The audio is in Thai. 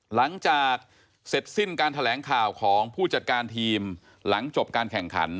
หลังจากเสร็จสิ้นการแถลงข่าวของผู้จัดการทีมหลังจบการแข่งขัน